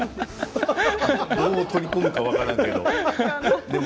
どう取り込むか分からないけれども。